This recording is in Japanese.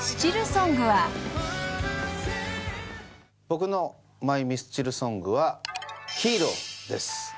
僕のマイミスチルソングは『ＨＥＲＯ』です。